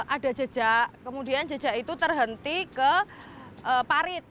ada jejak kemudian jejak itu terhenti ke parit